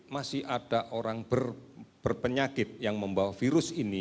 masih ada orang berpenyakit yang membawa virus ini